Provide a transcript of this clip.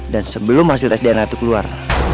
dan sebelum hasil tes dna itu keluar